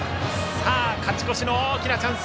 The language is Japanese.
さあ、勝ち越しの大きなチャンス